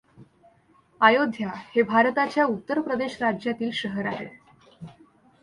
अयोध्या हे भारताच्या उत्तर प्रदेश राज्यातील शहर आहे.